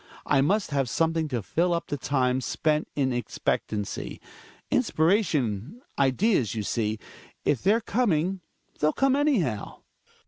I must have something to fill up the time spent in expectancy. Inspiration, ideas, you see — if they're coming they'll come anyhow.